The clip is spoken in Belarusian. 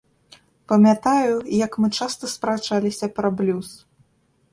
Памятаю, як мы часта спрачаліся пра блюз.